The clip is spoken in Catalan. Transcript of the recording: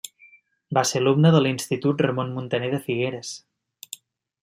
Va ser alumne de l'Institut Ramon Muntaner de Figueres.